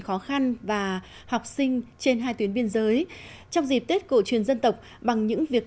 khó khăn và học sinh trên hai tuyến biên giới trong dịp tết cổ truyền dân tộc bằng những việc